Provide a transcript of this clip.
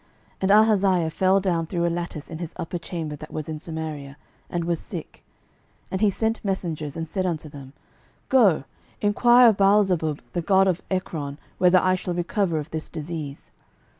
12:001:002 And Ahaziah fell down through a lattice in his upper chamber that was in Samaria, and was sick: and he sent messengers, and said unto them, Go, enquire of Baalzebub the god of Ekron whether I shall recover of this disease.